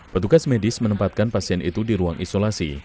petugas medis menempatkan pasien itu di ruang isolasi